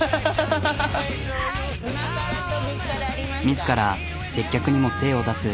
自ら接客にも精を出す。